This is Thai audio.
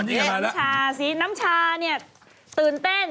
ไม่มีน้ำชาสิน้ำชาเนี่ยตื่นเต้น